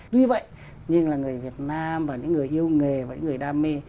tuy vậy nhưng là người việt nam và những người yêu nghề và những người đam mê